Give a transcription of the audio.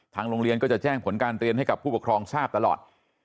โรงเรียนก็จะแจ้งผลการเรียนให้กับผู้ปกครองทราบตลอด